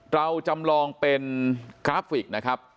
เราจำลองเป็นกราฟิกนะครับ